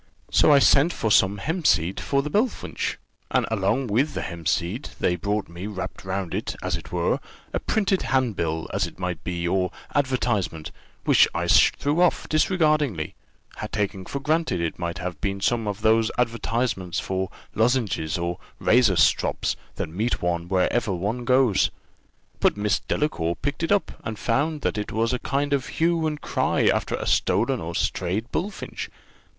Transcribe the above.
So I sent for some hempseed for the bullfinch, and along with the hempseed they brought me wrapped round it, as it were, a printed handbill, as it might be, or advertisement, which I threw off, disregardingly, taking for granted it might have been some of those advertisements for lozenges or razor strops, that meet one wherever one goes; but Miss Delacour picked it up, and found it was a kind of hue and cry after a stolen or strayed bullfinch.